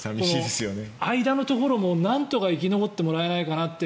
間のところをなんとか生き残ってもらえないかなって。